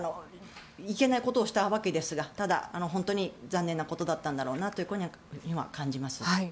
いけないことをしたわけですがただ、本当に残念なことだったんだろうなと今、感じます。